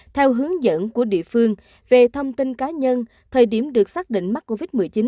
theo hướng dẫn của địa phương về thông tin cá nhân thời điểm được xác định mắc covid một mươi chín